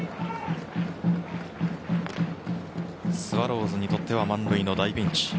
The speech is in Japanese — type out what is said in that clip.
スワローズにとっては満塁の大ピンチ。